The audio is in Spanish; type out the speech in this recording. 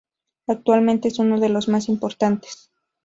Actualmente es uno de los más importantes.